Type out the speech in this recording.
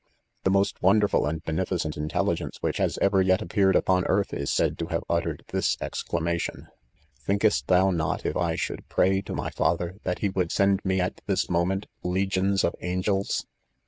The most wonderful and beneficent intelligence which has ever y et appeared upon earth, is said to have uttered this exclamation : <e Thinkest thou not, if I should pray to my Father, that he would send me, at this moment,. legions of angels